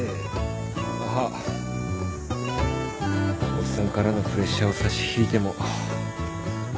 オッサンからのプレッシャーを差し引いても。